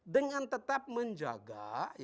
dengan tetap menjaga